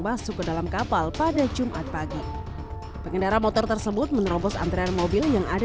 masuk ke dalam kapal pada jumat pagi pengendara motor tersebut menerobos antrean mobil yang ada